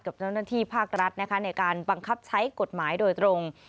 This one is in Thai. กับเจ้าหน้าที่ภาครัฐนะคะในการบังคับใช้กฎหมายโดยตรง